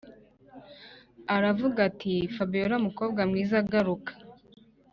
aravuga ati”fabiora mukobwa mwiza garuka